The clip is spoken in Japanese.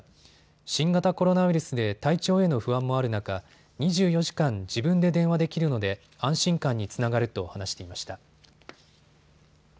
新型コロナウイルスで体調への不安もある中、２４時間自分で電話できるので安心感につながると話していました。